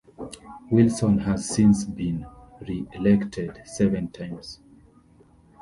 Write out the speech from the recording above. Wilson has since been reelected seven times.